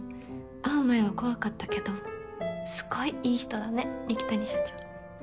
会う前は怖かったけどすごいいい人だね二木谷社長。